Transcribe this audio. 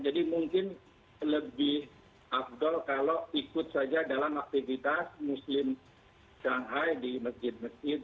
jadi mungkin lebih up do kalau ikut saja dalam aktivitas muslim shanghai di masjid masjid